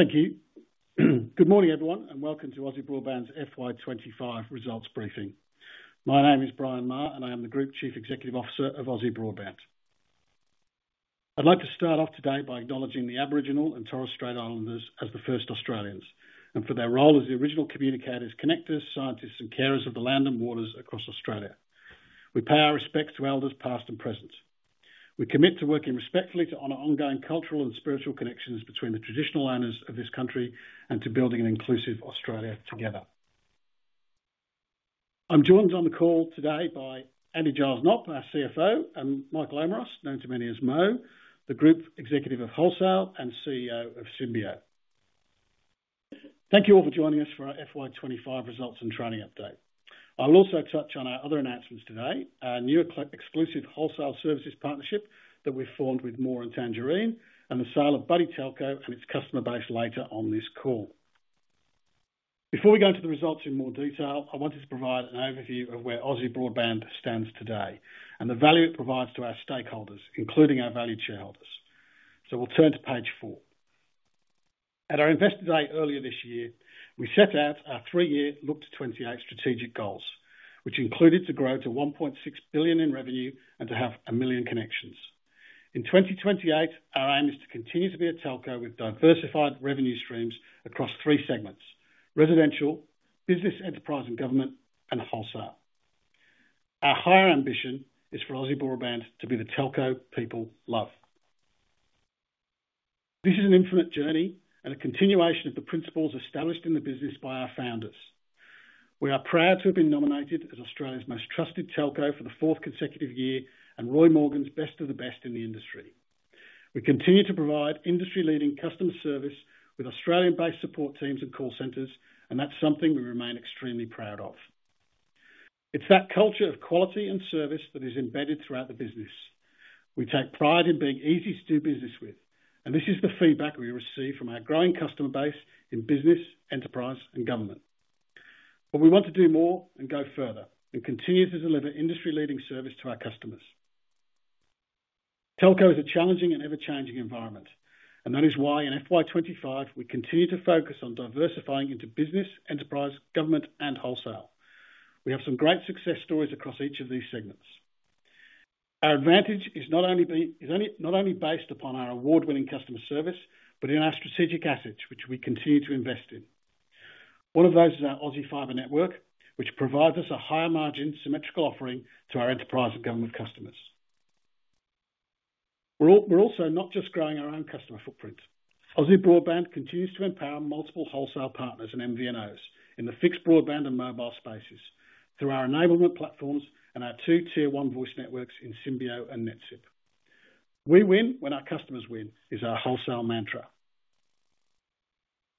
Thank you. Good morning, everyone, and welcome to Aussie Broadband's FY 2025 Results Briefing. My name is Brian Maher, and I am the Group Chief Executive Officer of Aussie Broadband. I'd like to start off today by acknowledging the Aboriginal and Torres Strait Islanders as the first Australians, and for their role as the original communicators, connectors, scientists, and carers of the land and waters across Australia. We pay our respects to elders past and present. We commit to working respectfully to honor ongoing cultural and spiritual connections between the traditional owners of this country and to building an inclusive Australia together. I'm joined on the call today by Andy Giles Knopp, our CFO, and Michael Omeros, known to many as Mo, the Group Executive of Wholesale and CEO of Symbio. Thank you all for joining us for our FY 2025 results and training update. I'll also touch on our other announcements today: our new exclusive wholesale services partnership that we've formed with More and Tangerine, and the sale of Buddy Telco and its customer base later on this call. Before we go into the results in more detail, I wanted to provide an overview of where Aussie Broadband stands today and the value it provides to our stakeholders, including our valued shareholders. We'll turn to page four. At our Investor Day earlier this year, we set out our three-year Look to 28 strategic goals, which included to grow to $1.6 billion in revenue and to have a million connections. In 2028, our aim is to continue to be a Telco with diversified revenue streams across three segments: residential, business, enterprise and government, and wholesale. Our higher ambition is for Aussie Broadband to be the Telco people love. This is an infinite journey and a continuation of the principles established in the business by our founders. We are proud to have been nominated as Australia's most trusted Telco for the fourth consecutive year and Roy Morgan's best of the best in the industry. We continue to provide industry-leading customer service with Australian-based support teams and call centers, and that's something we remain extremely proud of. It's that culture of quality and service that is embedded throughout the business. We take pride in being easy to do business with, and this is the feedback we receive from our growing customer base in business, enterprise, and government. We want to do more and go further and continue to deliver industry-leading service to our customers. Telco is a challenging and ever-changing environment, and that is why in FY 2025, we continue to focus on diversifying into business, enterprise, government, and wholesale. We have some great success stories across each of these segments. Our advantage is not only based upon our award-winning customer service, but in our strategic assets, which we continue to invest in. One of those is our Aussie Fibre network, which provides us a higher margin symmetrical offering to our enterprise and government customers. We're also not just growing our own customer footprint. Aussie Broadband continues to empower multiple wholesale partners and MVNOs in the fixed broadband and mobile spaces through our enablement platforms and our two Tier 1 voice networks in Symbio and NetSIP. "We win when our customers win," is our wholesale mantra.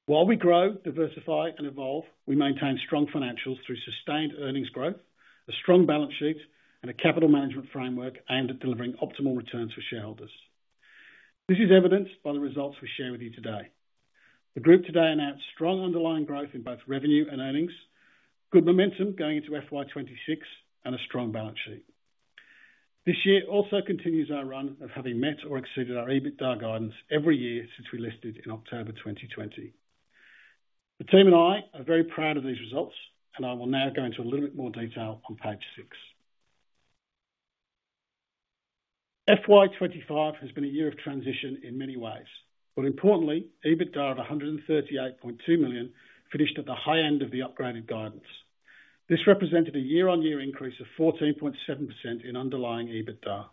While we grow, diversify, and evolve, we maintain strong financials through sustained earnings growth, a strong balance sheet, and a capital management framework aimed at delivering optimal returns for shareholders. This is evidenced by the results we share with you today. The group today announced strong underlying growth in both revenue and earnings, good momentum going into FY 2026, and a strong balance sheet. This year also continues our run of having met or exceeded our EBITDA guidance every year since we listed in October 2020. The team and I are very proud of these results, and I will now go into a little bit more detail on page six. FY 2025 has been a year of transition in many ways, but importantly, EBITDA of $138.2 million finished at the high end of the upgraded guidance. This represented a year-on-year increase of 14.7% in underlying EBITDA.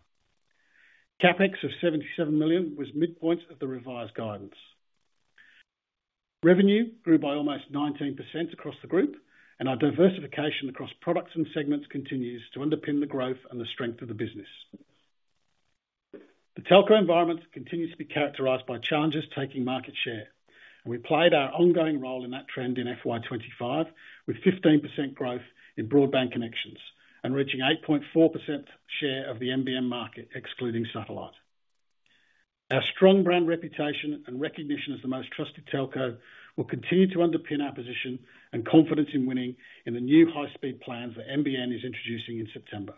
CapEx of $77 million was midpoint of the revised guidance. Revenue grew by almost 19% across the group, and our diversification across products and segments continues to underpin the growth and the strength of the business. The Telco environment continues to be characterized by challenges taking market share, and we played our ongoing role in that trend in FY 2025 with 15% growth in broadband connections and reaching 8.4% share of the MBM market, excluding satellite. Our strong brand reputation and recognition as the most trusted Telco will continue to underpin our position and confidence in winning in the new high-speed plan that NBN is introducing in September.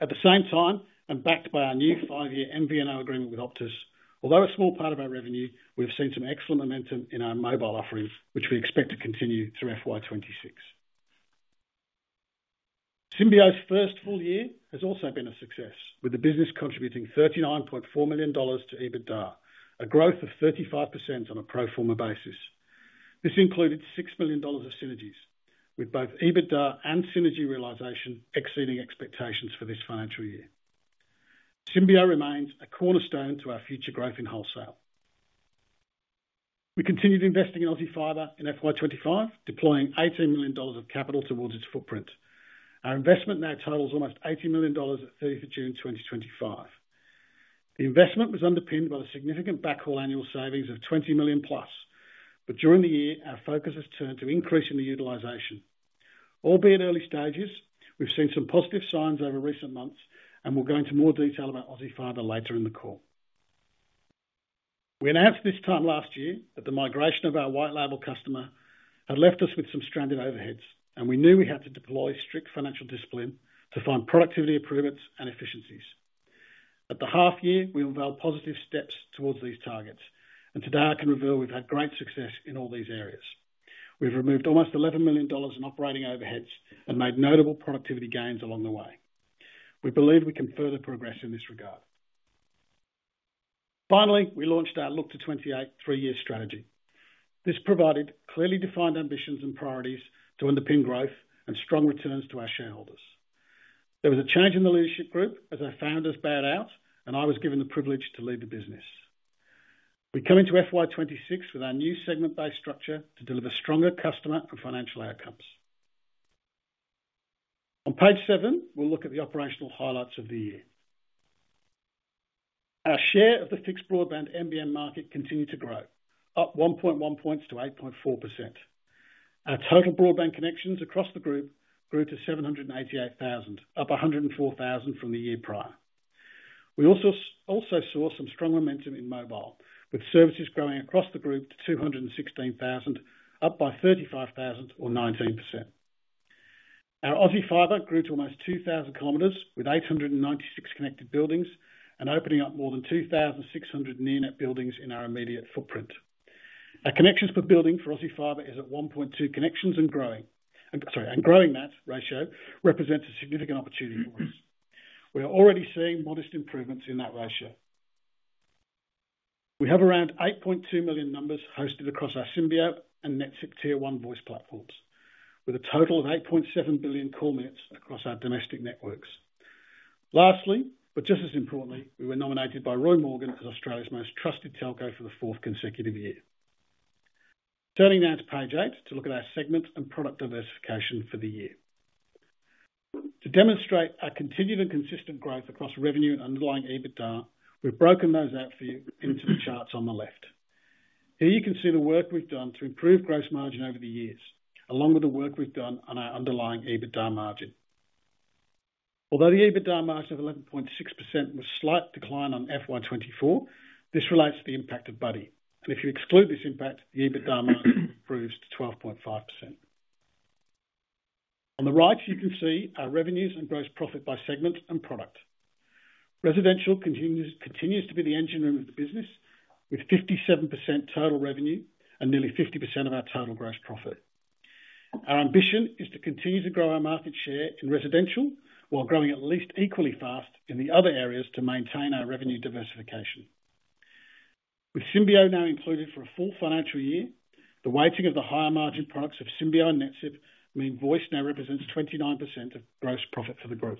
At the same time, and backed by our new five-year MVNO agreement with Optus, although a small part of our revenue, we have seen some excellent momentum in our mobile offerings, which we expect to continue through FY 2026. Symbio's first full year has also been a success, with the business contributing $39.4 million to EBITDA, a growth of 35% on a pro forma basis. This included $6 million of synergies, with both EBITDA and synergy realization exceeding expectations for this financial year. Symbio remains a cornerstone to our future growth in wholesale. We continued investing in Aussie Fibre in FY 2025, deploying $18 million of capital towards its footprint. Our investment now totals almost $80 million at June 30, 2025. The investment was underpinned by the significant backhaul annual savings of $20+ million, but during the year, our focus has turned to increasing the utilization. Albeit early stages, we've seen some positive signs over recent months, and we'll go into more detail about Aussie Fibre later in the call. We announced this time last year that the migration of our white label customer had left us with some stranded overheads, and we knew we had to deploy strict financial discipline to find productivity improvements and efficiencies. At the half year, we unveiled positive steps towards these targets, and today I can reveal we've had great success in all these areas. We've removed almost $11 million in operating overheads and made notable productivity gains along the way. We believe we can further progress in this regard. Finally, we launched our Look to 28 three-year strategy. This provided clearly defined ambitions and priorities to underpin growth and strong returns to our shareholders. There was a change in the leadership group as our founders bailed out, and I was given the privilege to lead the business. We come into FY 2026 with our new segment-based structure to deliver stronger customer and financial outcomes. On page seven, we'll look at the operational highlights of the year. Our share of the fixed broadband MBM market continued to grow, up 1.1 points to 8.4%. Our total broadband connections across the group grew to 788,000, up 104,000 from the year prior. We also saw some strong momentum in mobile, with services growing across the group to 216,000, up by 35,000 or 19%. Our Aussie Fibre grew to almost 2,000 km with 896 connected buildings and opening up more than 2,600 near-net buildings in our immediate footprint. Our connections per building for Aussie Fibre is at 1.2 connections and growing, and growing that ratio represents a significant opportunity for us. We are already seeing modest improvements in that ratio. We have around 8.2 million numbers hosted across our Symbio and NetSIP Tier 1 voice platforms, with a total of 8.7 billion call minutes across our domestic networks. Lastly, but just as importantly, we were nominated by Roy Morgan as Australia's most trusted Telco for the fourth consecutive year. Turning now to page eight to look at our segments and product diversification for the year. To demonstrate our continued and consistent growth across revenue and underlying EBITDA, we've broken those out for you into charts on the left. Here you can see the work we've done to improve gross margin over the years, along with the work we've done on our underlying EBITDA margin. Although the EBITDA margin of 11.6% was a slight decline on FY 2024, this relates to the impact of Buddy, and if you exclude this impact, the EBITDA margin improves to 12.5%. On the right, you can see our revenues and gross profit by segments and product. Residential continues to be the engine room of the business, with 57% total revenue and nearly 50% of our total gross profit. Our ambition is to continue to grow our market share in residential while growing at least equally fast in the other areas to maintain our revenue diversification. With Symbio now included for a full financial year, the weighting of the higher margin products of Symbio and NetSIP means voice now represents 29% of gross profit for the group.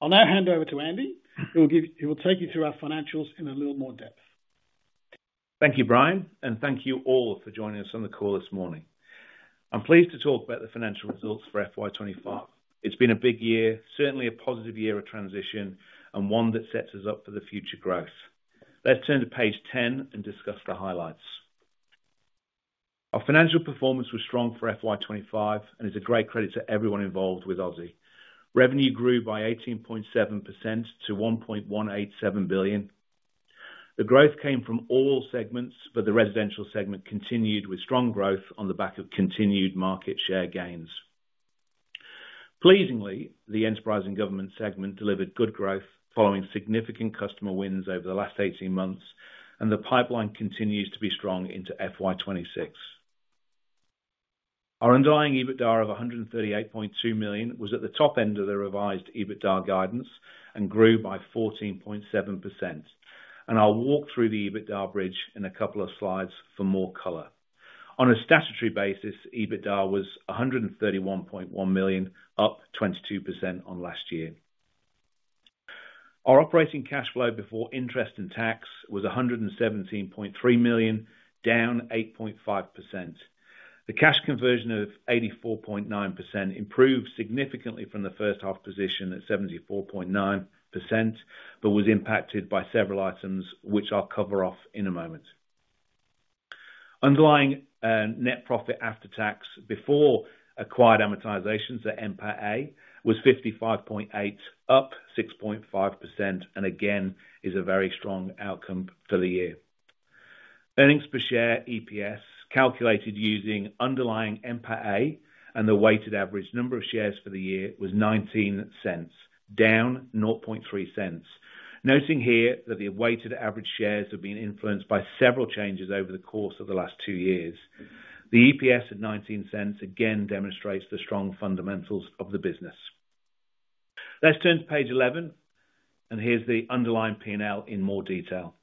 I'll now hand over to Andy. He will take you through our financials in a little more depth. Thank you, Brian, and thank you all for joining us on the call this morning. I'm pleased to talk about the financial results for FY 2025. It's been a big year, certainly a positive year of transition and one that sets us up for the future growth. Let's turn to page 10 and discuss the highlights. Our financial performance was strong for FY 2025 and is a great credit to everyone involved with Aussie Broadband. Revenue grew by 18.7% to $1.187 billion. The growth came from all segments, but the residential segment continued with strong growth on the back of continued market share gains. Pleasingly, the enterprise and government segment delivered good growth following significant customer wins over the last 18 months, and the pipeline continues to be strong into FY 2026. Our underlying EBITDA of $138.2 million was at the top end of the revised EBITDA guidance and grew by 14.7%. I'll walk through the EBITDA bridge in a couple of slides for more color. On a statutory basis, EBITDA was $131.1 million, up 22% on last year. Our operating cash flow before interest and tax was $117.3 million, down 8.5%. The cash conversion of 84.9% improved significantly from the first half position at 74.9%, but was impacted by several items, which I'll cover off in a moment. Underlying net profit after tax before acquired amortizations, so MPAA, was $55.8 million, up 6.5%, and again is a very strong outcome for the year. Earnings per share (EPS) calculated using underlying MPAA, and the weighted average number of shares for the year was $0.19, down $0.003. Noting here that the weighted average shares have been influenced by several changes over the course of the last two years, the EPS of $0.19 again demonstrates the strong fundamentals of the business. Let's turn to page 11, and here's the underlying P&L in more detail.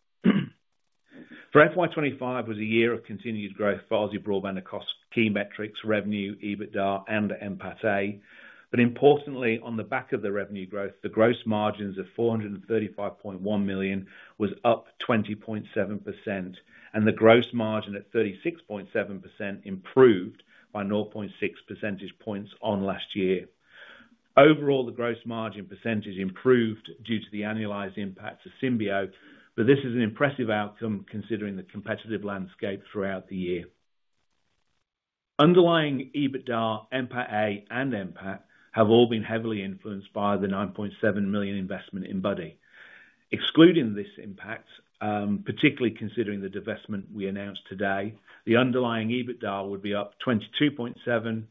For FY 2025, it was a year of continued growth for Aussie Broadband across key metrics: revenue, EBITDA, and MPAA. Importantly, on the back of the revenue growth, the gross margins of $435.1 million were up 20.7%, and the gross margin at 36.7% improved by 0.6 percentage points on last year. Overall, the gross margin percentage improved due to the annualized impact of Symbio, but this is an impressive outcome considering the competitive landscape throughout the year. Underlying EBITDA, MPAA, and MPAT have all been heavily influenced by the $9.7 million investment in Buddy. Excluding this impact, particularly considering the divestment we announced today, the underlying EBITDA would be up 22.7%,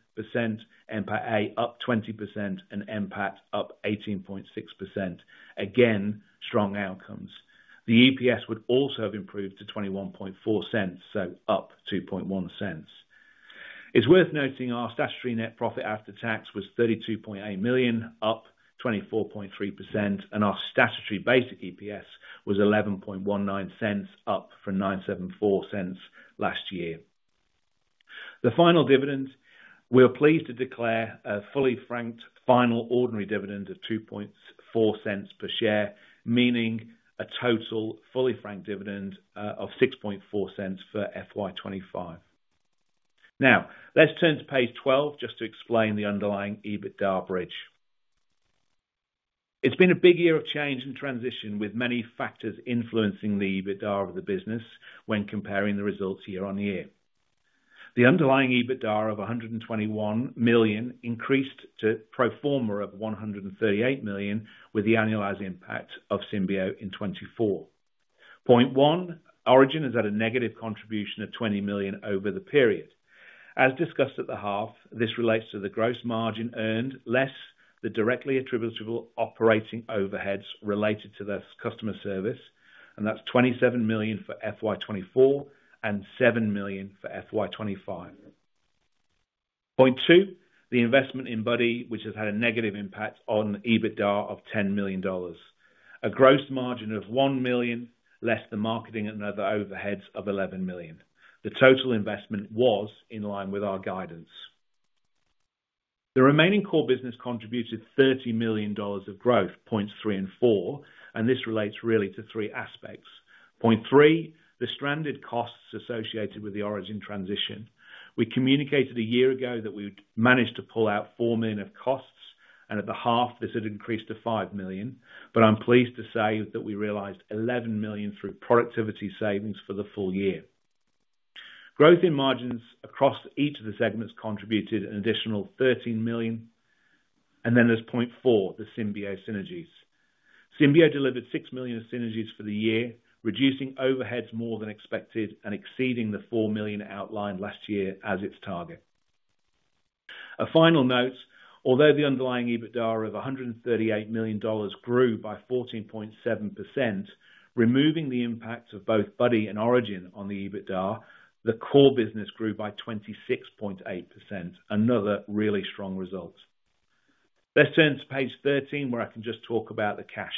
MPAA up 20%, and MPAT up 18.6%. Again, strong outcomes. The EPS would also have improved to $0.214, so up $0.021. It's worth noting our statutory net profit after tax was $32.8 million, up 24.3%, and our statutory basic EPS was $0.1119, up from $0.0974 last year. The final dividend, we're pleased to declare a fully franked final ordinary dividend of $0.024 per share, meaning a total fully franked dividend of $0.064 for FY 2025. Now, let's turn to page 12 just to explain the underlying EBITDA bridge. It's been a big year of change and transition, with many factors influencing the EBITDA of the business when comparing the results year on year. The underlying EBITDA of $121 million increased to pro forma of $138 million with the annualized impact of Symbio in $24 million. 1. Origin is at a negative contribution of $20 million over the period. As discussed at the half, this relates to the gross margin earned less the directly attributable operating overheads related to the customer service, and that's $27 million for FY 2024 and $7 million for FY 2025. 2. The investment in Buddy, which has had a negative impact on the EBITDA of $10 million, a gross margin of $1 million less the marketing and other overheads of $11 million. The total investment was in line with our guidance. The remaining core business contributed $30 million of growth, points 3 and 4, and this relates really to three aspects. Point three, the stranded costs associated with the Origin transition. We communicated a year ago that we'd managed to pull out $4 million of costs, and at the half, this had increased to $5 million, but I'm pleased to say that we realized $11 million through productivity savings for the full year. Growth in margins across each of the segments contributed an additional $13 million, and then there's point four, the Symbio synergies. Symbio delivered $6 million of synergies for the year, reducing overheads more than expected and exceeding the $4 million outlined last year as its target. A final note, although the underlying EBITDA of $138 million grew by 14.7%, removing the impact of both Buddy and Origin on the EBITDA, the core business grew by 26.8%, another really strong result. Let's turn to page 13, where I can just talk about the cash.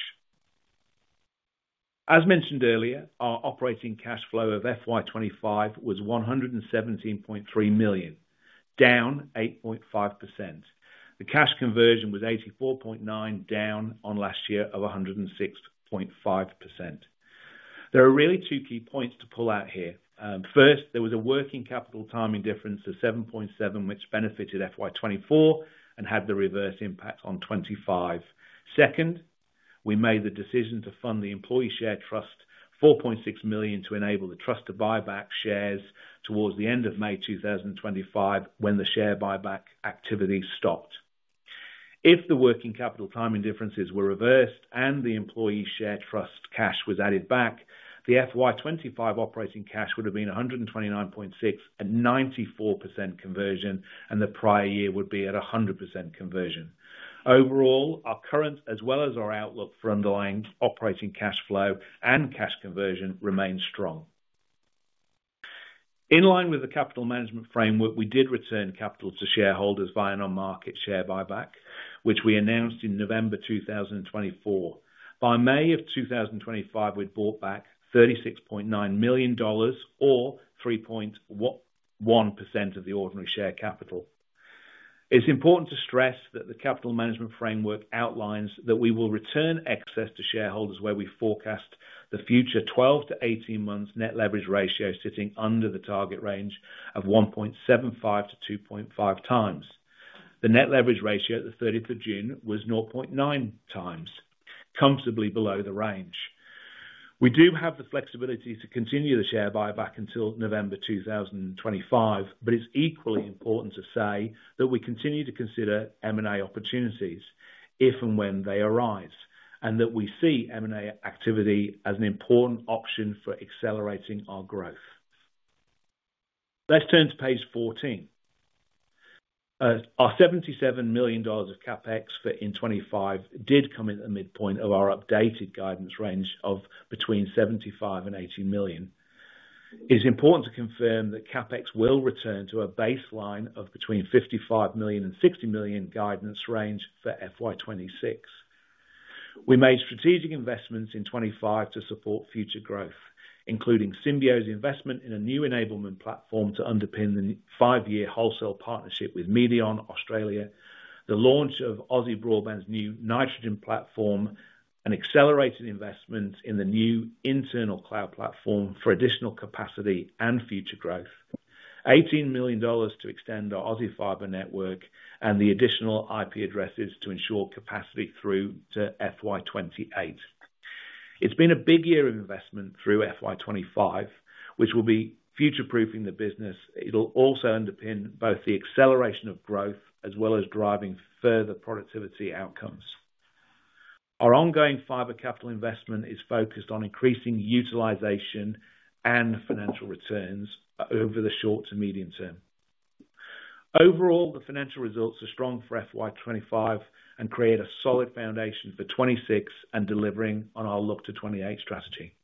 As mentioned earlier, our operating cash flow of FY 2025 was $117.3 million, down 8.5%. The cash conversion was 84.9%, down on last year of 106.5%. There are really two key points to pull out here. First, there was a working capital timing difference of $7.7 million, which benefited FY 2024 and had the reverse impact on FY 2025. Second, we made the decision to fund the employee share trust $4.6 million to enable the trust to buy back shares towards the end of May 2025 when the share buyback activity stopped. If the working capital timing differences were reversed and the employee share trust cash was added back, the FY 2025 operating cash would have been $129.6 million at 94% conversion, and the prior year would be at 100% conversion. Overall, our current, as well as our outlook for underlying operating cash flow and cash conversion, remains strong. In line with the capital management framework, we did return capital to shareholders via non-market share buyback, which we announced in November 2024. By May of 2025, we'd bought back $36.9 million or 3.1% of the ordinary share capital. It's important to stress that the capital management framework outlines that we will return excess to shareholders where we forecast the future 12 to 18 months net leverage ratio sitting under the target range of 1.75x-2.5x. The net leverage ratio at the 30th of June was 0.9x, comfortably below the range. We do have the flexibility to continue the share buyback until November 2025, but it's equally important to say that we continue to consider M&A opportunities if and when they arise, and that we see M&A activity as an important option for accelerating our growth. Let's turn to page 14. Our $77 million of CapEx for FY 2025 did come into the midpoint of our updated guidance range of between $75 million and $80 million. It's important to confirm that CapEx will return to a baseline of between $55 million and $60 million guidance range for FY 2026. We made strategic investments in FY 2025 to support future growth, including Symbio's investment in a new enablement platform to underpin the five-year wholesale partnership with MEDION Australia, the launch of Aussie Broadband's new Nitrogen platform, and accelerated investments in the new internal cloud platform for additional capacity and future growth. $18 million to extend our Aussie Fibre network and the additional IP addresses to ensure capacity through to FY 2028. It's been a big year of investment through FY 2025, which will be future-proofing the business. It'll also underpin both the acceleration of growth as well as driving further productivity outcomes. Our ongoing fibre capital investment is focused on increasing utilisation and financial returns over the short to medium term. Overall, the financial results are strong for FY 2025 and create a solid foundation for 2026 and delivering on our Look to 28 strategy.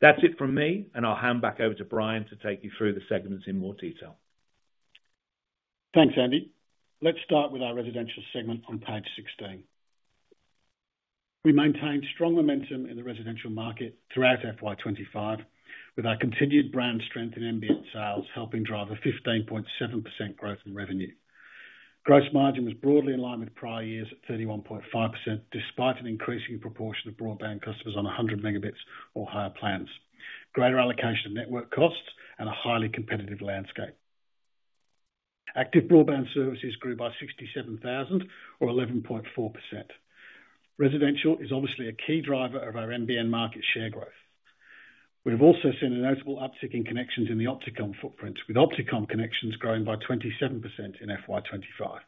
That's it from me, and I'll hand back over to Brian to take you through the segments in more detail. Thanks, Andy. Let's start with our residential segment on page 16. We maintained strong momentum in the residential market throughout FY 2025 with our continued brand strength in ambient sales, helping drive a 15.7% growth in revenue. Gross margin was broadly in line with prior years at 31.5%, despite an increasing proportion of broadband customers on 100 Mb or higher plans, greater allocation of network costs, and a highly competitive landscape. Active broadband services grew by 67,000 or 11.4%. Residential is obviously a key driver of our NBN market share growth. We've also seen a notable uptick in connections in the Opticomm footprint, with Opticomm connections growing by 27% in FY 2025.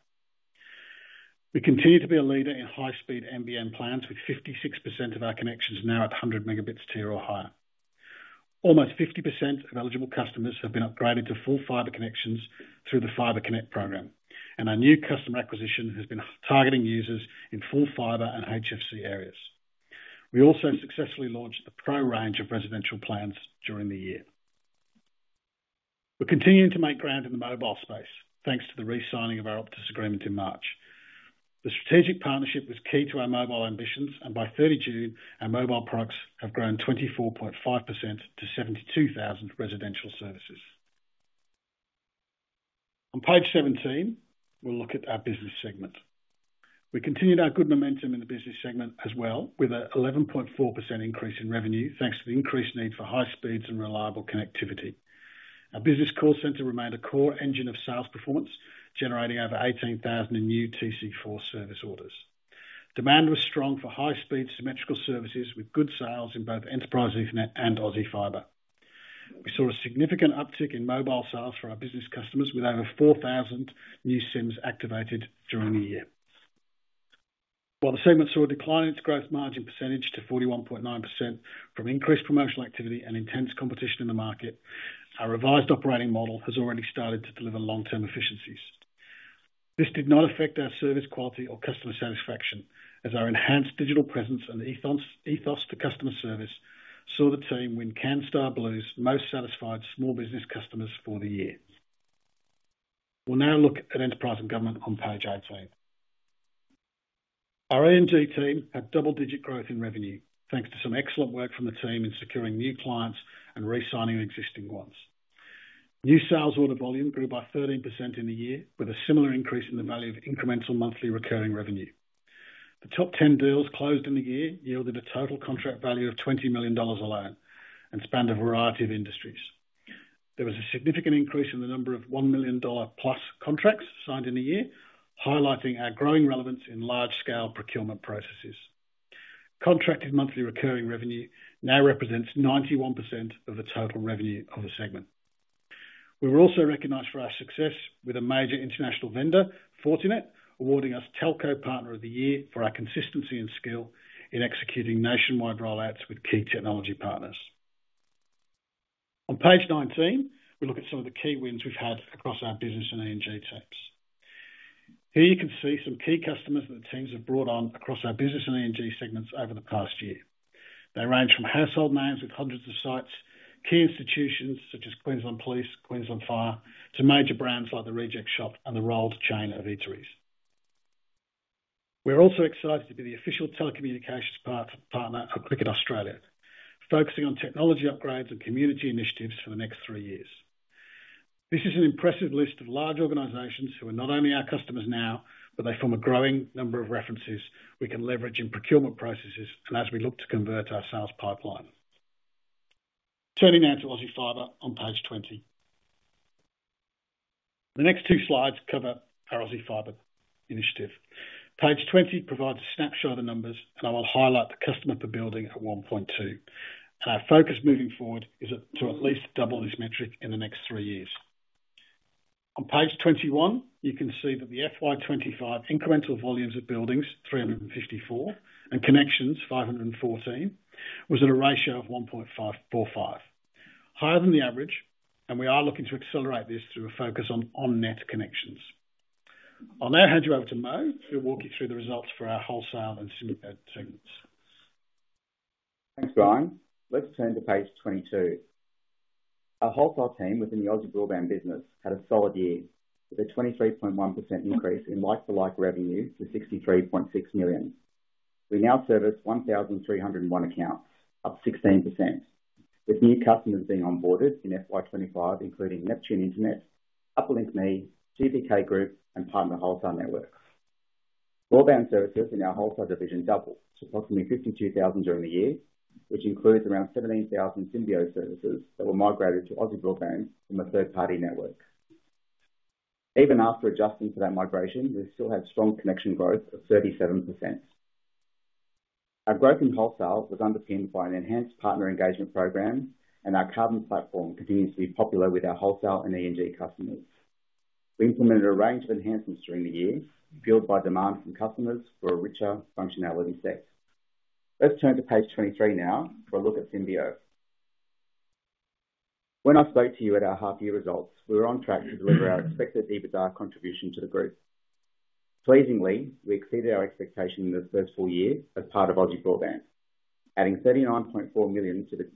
We continue to be a leader in high-speed NBN plans, with 56% of our connections now at 100 Mb tier or higher. Almost 50% of eligible customers have been upgraded to full fiber connections through the Fibre Connect program, and our new customer acquisition has been targeting users in full fiber and HFC areas. We also successfully launched a pro range of residential plans during the year. We're continuing to make ground in the mobile space, thanks to the re-signing of our Optus agreement in March. The strategic partnership was key to our mobile ambitions, and by June 30, our mobile products have grown 24.5% to 72,000 residential services. On page 17, we'll look at our business segment. We continued our good momentum in the business segment as well, with an 11.4% increase in revenue, thanks to the increased need for high speeds and reliable connectivity. Our business call center remained a core engine of sales performance, generating over 18,000 new TC4 service orders. Demand was strong for high-speed symmetrical services, with good sales in both Enterprise Ethernet and Aussie Fibre. We saw a significant uptick in mobile sales for our business customers, with over 4,000 new SIMs activated during the year. While the segment saw a decline in its gross margin percentage to 41.9% from increased promotional activity and intense competition in the market, our revised operating model has already started to deliver long-term efficiencies. This did not affect our service quality or customer satisfaction, as our enhanced digital presence and the ethos to customer service saw the team win Canstar Blue's most satisfied small business customers for the year. We'll now look at enterprise and government on page 18. Our A&G team had double-digit growth in revenue, thanks to some excellent work from the team in securing new clients and re-signing existing ones. New sales order volume grew by 13% in the year, with a similar increase in the value of incremental monthly recurring revenue. The top 10 deals closed in the year yielded a total contract value of $20 million alone and spanned a variety of industries. There was a significant increase in the number of $1+ million contracts signed in the year, highlighting our growing relevance in large-scale procurement processes. Contracted monthly recurring revenue now represents 91% of the total revenue of the segment. We were also recognized for our success with a major international vendor, Fortinet, awarding us Telco Partner of the Year for our consistency and skill in executing nationwide rollouts with key technology partners. On page 19, we look at some of the key wins we've had across our business and A&G teams. Here you can see some key customers that the teams have brought on across our business and A&G segments over the past year. They range from household names with hundreds of sites, key institutions such as Queensland Police, Queensland Fire, to major brands like the Reject Shop and the Roll'd chain of eateries. We're also excited to be the official telecommunications partner of Cricket Australia, focusing on technology upgrades and community initiatives for the next three years. This is an impressive list of large organizations who are not only our customers now, but they form a growing number of references we can leverage in procurement processes and as we look to convert our sales pipeline. Turning now to Aussie Fibre on page 20. The next two slides cover our Aussie Fibre initiative. Page 20 provides a snapshot of the numbers, and I will highlight the customer per building at 1.2. Our focus moving forward is to at least double this metric in the next three years. On page 21, you can see that the FY 2025 incremental volumes of buildings 354, and connections 514, was at a ratio of 1.545, higher than the average, and we are looking to accelerate this through a focus on net connections. I'll now hand you over to Mo who'll walk you through the results for our wholesale and Symbiote segments. Thanks, Brian. Let's turn to page 22. Our wholesale team within the Aussie Broadband business had a solid year, with a 23.1% increase in like-for-like revenue to $63.6 million. We now service 1,301 accounts, up 16%, with new customers being onboarded in FY 2025, including Neptune Internet, UplinkMe, GPK Group, and partner wholesale networks. Broadband services in our wholesale division doubled to approximately 52,000 during the year, which includes around 17,000 Symbio services that were migrated to Aussie Broadband from a third-party network. Even after adjusting for that migration, we still had strong connection growth of 37%. Our growth in wholesale was underpinned by an enhanced partner engagement program, and our Carbon platform continues to be popular with our wholesale and E&G customers. We implemented a range of enhancements during the year, built by demand from customers for a richer functionality set. Let's turn to page 23 now for a look at Symbio. When I spoke to you at our half-year results, we were on track to deliver our expected EBITDA contribution to the group. Pleasingly, we exceeded our expectation in this first full year as part of Aussie Broadband, adding $39.4 million to the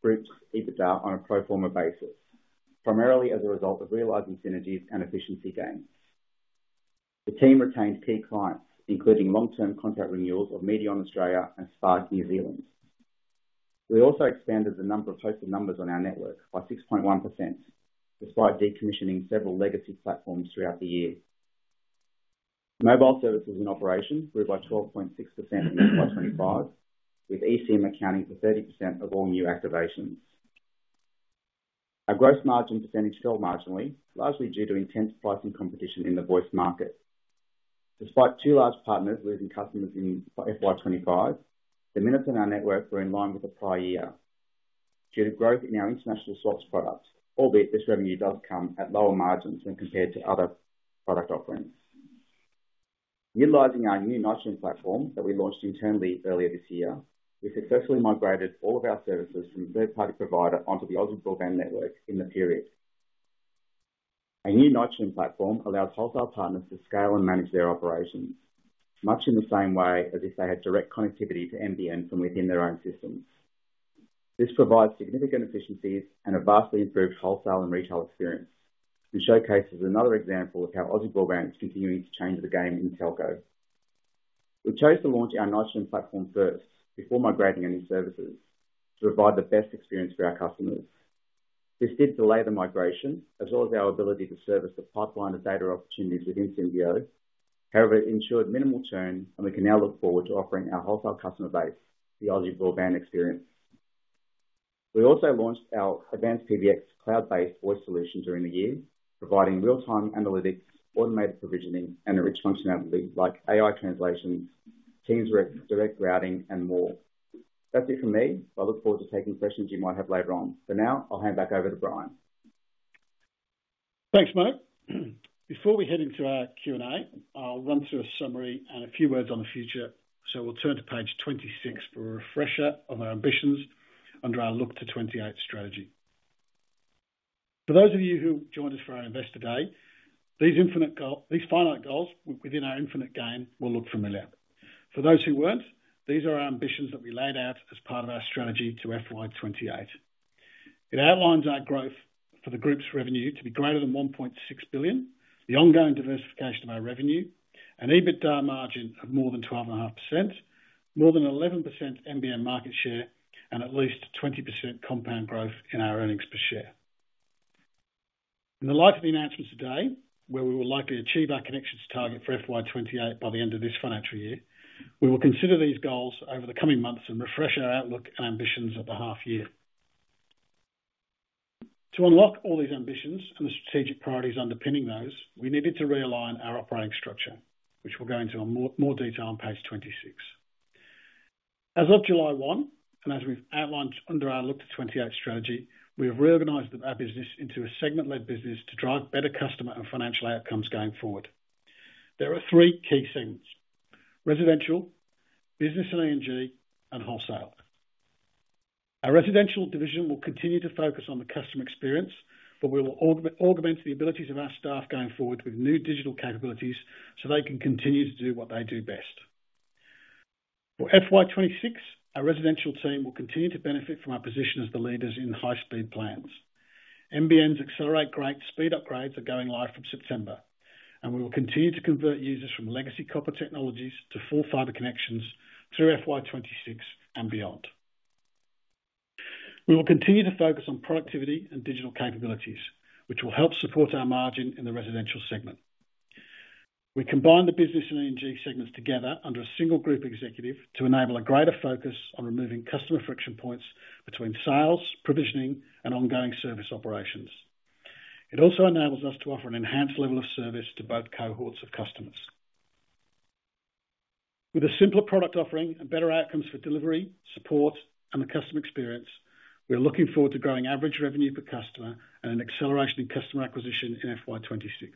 group's EBITDA on a pro forma basis, primarily as a result of realizing synergies and efficiency gains. The team retained key clients, including long-term contract renewals of MEDION Australia and Spark New Zealand. We also expanded the number of hosted numbers on our network by 6.1%, despite decommissioning several legacy platforms throughout the year. Mobile services and operations grew by 12.6% in FY 2025, with eSIM accounting for 30% of all new activations. Our gross margin percentage fell marginally, largely due to intense pricing competition in the voice market. Despite two large partners losing customers in FY 2025, the minutes on our network were in line with the prior year due to growth in our international swaps products, albeit this revenue does come at lower margins when compared to other product offerings. Utilizing our new Nitrogen platform that we launched internally earlier this year, we successfully migrated all of our services from a third-party provider onto the Aussie Broadband network in the period. A new Nitrogen platform allows wholesale partners to scale and manage their operations much in the same way as if they had direct connectivity to NBN from within their own system. This provides significant efficiencies and a vastly improved wholesale and retail experience and showcases another example of how Aussie Broadband is continuing to change the game in Telco. We chose to launch our Nitrogen platform first before migrating any services to provide the best experience for our customers. This did delay the migration, as well as our ability to service the pipeline of data opportunities within Symbio, however, it ensured minimal churn, and we can now look forward to offering our wholesale customer base the Aussie Broadband experience. We also launched our advanced PBX cloud-based voice solution during the year, providing real-time analytics, automated provisioning, and a rich functionality like AI translations, Teams direct routing, and more. That's it from me. I look forward to taking questions you might have later on. For now, I'll hand back over to Brian. Thanks, Mo. Before we head into our Q&A, I'll run through a summary and a few words on the future. We'll turn to page 26 for a refresher on our ambitions under our Look to 28 strategy. For those of you who joined us for our Investor Day, these finite goals within our infinite gain will look familiar. For those who weren't, these are our ambitions that we laid out as part of our strategy to FY 2028. It outlines our growth for the group's revenue to be greater than $1.6 billion, the ongoing diversification of our revenue, an EBITDA margin of more than 12.5%, more than 11% NBN market share, and at least 20% compound growth in our earnings per share. In light of the announcements today, where we will likely achieve our connections target for FY 2028 by the end of this financial year, we will consider these goals over the coming months and refresh our outlook and ambitions at the half year. To unlock all these ambitions and the strategic priorities underpinning those, we needed to realign our operating structure, which we'll go into in more detail on page 26. As of July 1, and as we've outlined under our Look to 28 strategy, we have reorganized our business into a segment-led business to drive better customer and financial outcomes going forward. There are three key segments: residential, business and A&G, and wholesale. Our residential division will continue to focus on the customer experience, but we will augment the abilities of our staff going forward with new digital capabilities so they can continue to do what they do best. For FY 2026, our residential team will continue to benefit from our position as the leaders in high-speed plans. NBN's accelerate great speed upgrades are going live from September, and we will continue to convert users from legacy copper technologies to full fiber connections through FY 2026 and beyond. We will continue to focus on productivity and digital capabilities, which will help support our margin in the residential segment. We combined the business and A&G segments together under a single Group Executive to enable a greater focus on removing customer friction points between sales, provisioning, and ongoing service operations. It also enables us to offer an enhanced level of service to both cohorts of customers. With a simpler product offering and better outcomes for delivery, support, and the customer experience, we are looking forward to growing average revenue per customer and an acceleration in customer acquisition in FY 2026.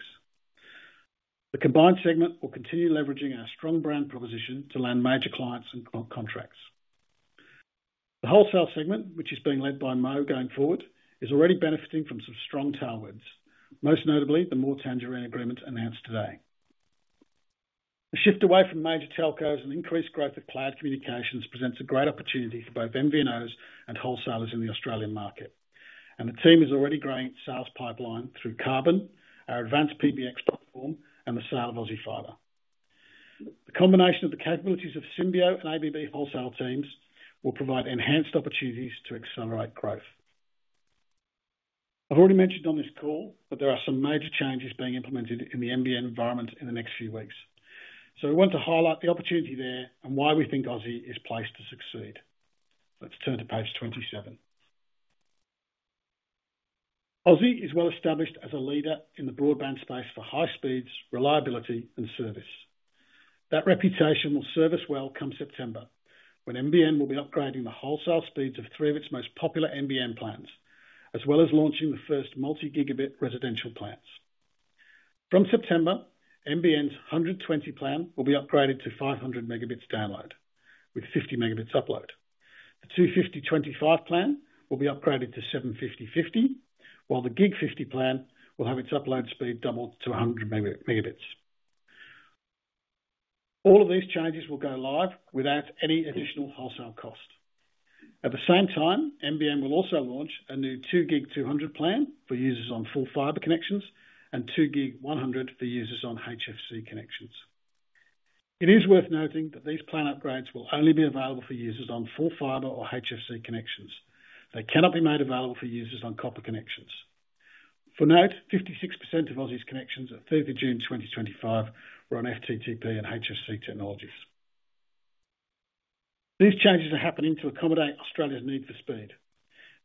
The combined segment will continue leveraging our strong brand proposition to land major clients and contracts. The wholesale segment, which is being led by More going forward, is already benefiting from some strong tailwinds, most notably the More Tangerine agreement announced today. A shift away from major Telcos and increased growth of cloud communications presents a great opportunity for both MVNOs and wholesalers in the Australian market, and the team is already growing its sales pipeline through Carbon, our advanced PBX platform, and the sale of Aussie Fibre. The combination of the capabilities of Symbio and Aussie Broadband wholesale teams will provide enhanced opportunities to accelerate growth. I've already mentioned on this call that there are some major changes being implemented in the NBN environment in the next few weeks, so we want to highlight the opportunity there and why we think Aussie Broadband is placed to succeed. Let's turn to page 27. Aussie is well established as a leader in the broadband space for high speeds, reliability, and service. That reputation will serve us well come September, when NBN will be upgrading the wholesale speeds of three of its most popular NBN plans, as well as launching the first multi-gigabit residential plans. From September, NBN's 120 plan will be upgraded to 500 Mb download with 50 Mb upload. The 250/25 plan will be upgraded to 750/50, while the gig 50 plan will have its upload speed doubled to 100 Mb. All of these changes will go live without any additional wholesale cost. At the same time, NBN will also launch a new 2 gig 200 plan for users on full fibre connections and 2 gig 100 for users on HFC connections. It is worth noting that these plan upgrades will only be available for users on full fibre or HFC connections. They cannot be made available for users on copper connections. For note, 56% of Aussie's connections at 30 June 2025 were on FTTP and HFC technologies. These changes are happening to accommodate Australia's need for speed.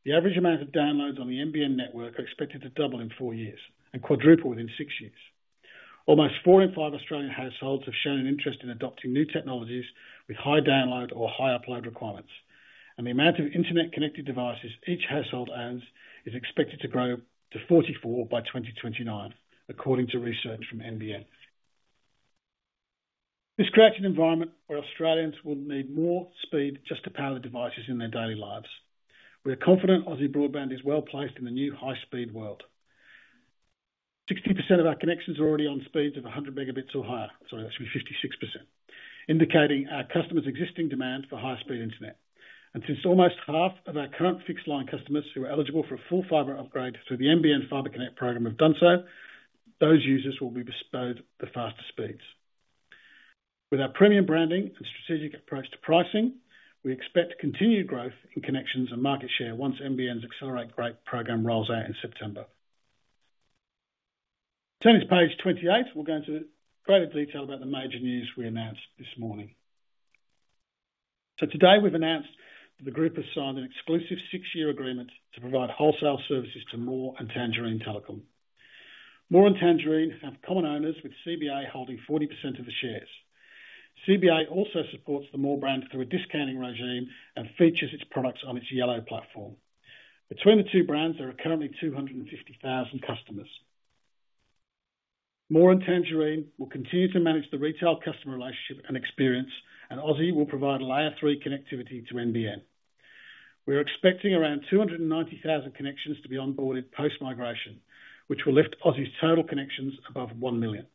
The average amount of downloads on the NBN network are expected to double in four years and quadruple within six years. Almost four in five Australian households have shown an interest in adopting new technologies with high download or high upload requirements, and the amount of internet-connected devices each household owns is expected to grow to 44 by 2029, according to research from NBN. This creates an environment where Australians will need more speed just to power the devices in their daily lives. We are confident Aussie Broadband is well placed in the new high-speed world. 60% of our connections are already on speeds of 100 Mb or higher. Sorry, that should be 56%, indicating our customers' existing demand for high-speed internet. Since almost half of our current fixed line customers who are eligible for a full fiber upgrade through the NBN Fibre Connect program have done so, those users will be disposed of the faster speeds. With our premium branding and strategic approach to pricing, we expect continued growth in connections and market share once NBN's Accelerate Great program rolls out in September. Turning to page 28, we'll go into greater detail about the major news we announced this morning. Today we've announced that the group has signed an exclusive six-year agreement to provide wholesale services to More and Tangerine Telecom. More and Tangerine have common owners with CBA holding 40% of the shares. CBA also supports the More brand through a discounting regime and features its products on its Yellow platform. Between the two brands, there are currently 250,000 customers. More and Tangerine will continue to manage the retail customer relationship and experience, and Aussie will provide layer three connectivity to NBN. We are expecting around 290,000 connections to be onboarded post-migration, which will lift Aussie's total connections above 1 million.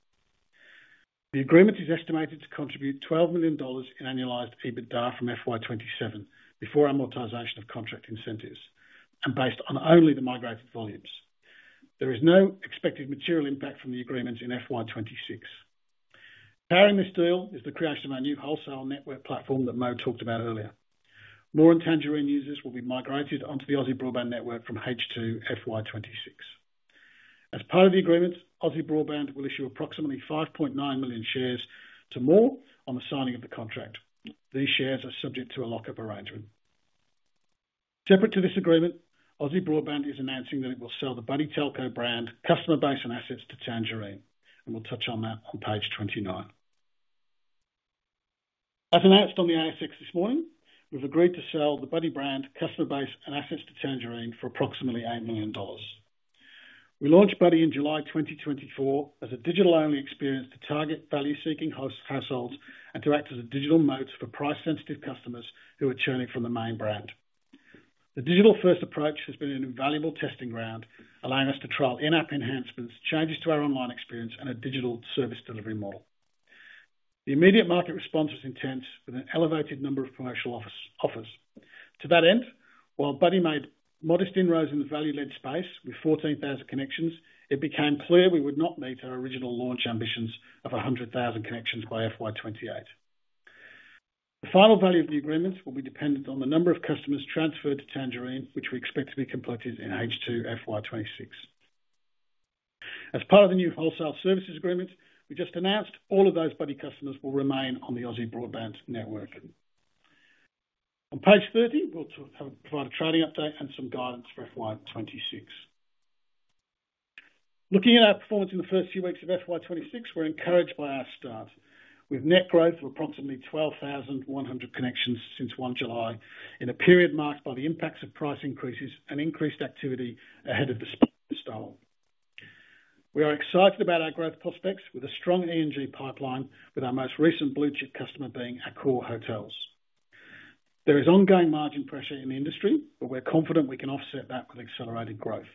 The agreement is estimated to contribute $12 million in annualized EBITDA from FY 2027 before amortization of contract incentives and based on only the migrated volumes. There is no expected material impact from the agreements in FY 2026. Powering this deal is the creation of our new wholesale network platform that Mo talked about earlier. More and Tangerine users will be migrated onto the Aussie Broadband network from H2 FY 2026. As part of the agreement, Aussie Broadband will issue approximately 5.9 million shares to More on the signing of the contract. These shares are subject to a lock-up arrangement. Separate to this agreement, Aussie Broadband is announcing that it will sell the Buddy Telco brand customer base and assets to Tangerine, and we'll touch on that on page 29. As announced on the ASX this morning, we've agreed to sell the Buddy brand customer base and assets to Tangerine for approximately $8 million. We launched Buddy in July 2024 as a digital-only experience to target value-seeking households and to act as a digital moat for price-sensitive customers who are churning from the main brand. The digital-first approach has been an invaluable testing ground, allowing us to trial in-app enhancements, changes to our online experience, and a digital service delivery model. The immediate market response was intense, with an elevated number of promotional offers. To that end, while Buddy made modest inroads in the value-led space with 14,000 connections, it became clear we would not meet our original launch ambitions of 100,000 connections by FY 2028. The final value of the agreements will be dependent on the number of customers transferred to Tangerine, which we expect to be completed in H2 FY 2026. As part of the new wholesale services agreement we just announced, all of those Buddy customers will remain on the Aussie Broadband network. On page 30, we'll provide a trading update and some guidance for FY 2026. Looking at our performance in the first few weeks of FY 2026, we're encouraged by our start. We've net growth of approximately 12,100 connections since 1 July, in a period marked by the impacts of price increases and increased activity ahead of the stall. We are excited about our growth prospects with a strong A&G pipeline, with our most recent blue-chip customer being our core hotels. There is ongoing margin pressure in the industry, but we're confident we can offset that with accelerated growth.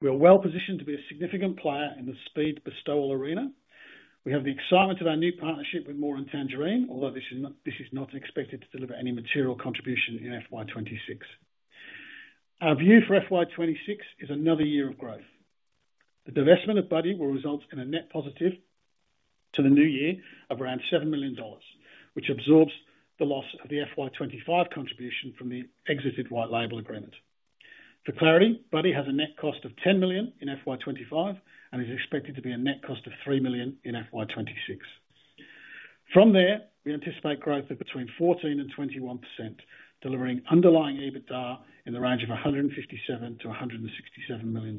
We are well positioned to be a significant player in the speed bestowal arena. We have the excitement of our new partnership with More and Tangerine, although this is not expected to deliver any material contribution in FY 2026. Our view for FY 2026 is another year of growth. The divestment of Buddy will result in a net positive to the new year of around $7 million, which absorbs the loss of the FY 2025 contribution from the exited white label agreement. For clarity, Buddy has a net cost of $10 million in FY 2025 and is expected to be a net cost of $3 million in FY 2026. From there, we anticipate growth of between 14% and 21%, delivering underlying EBITDA in the range of $157 million-$167 million.